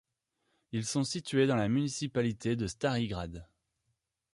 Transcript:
Ils sont situés dans la municipalité de Stari grad.